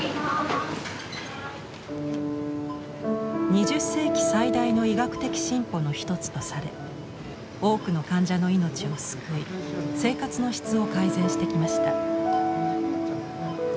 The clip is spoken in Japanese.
２０世紀最大の医学的進歩の一つとされ多くの患者の命を救い生活の質を改善してきました。